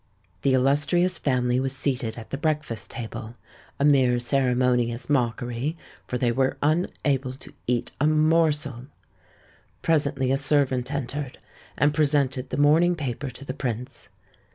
The illustrious family was seated at the breakfast table—a mere ceremonious mockery, for they were unable to eat a morsel. Presently a servant entered, and presented the morning paper to the Prince.